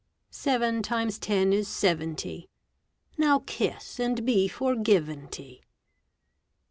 Seven times ten is seventy. Now kiss and be forgiven ty.